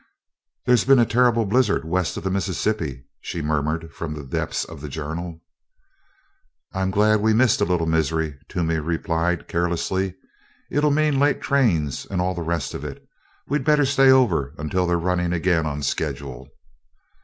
"There's been a terrible blizzard west of the Mississippi," she murmured from the depths of the Journal. "I'm glad we've missed a little misery," Toomey replied carelessly. "It'll mean late trains and all the rest of it. We'd better stay over until they're running again on schedule."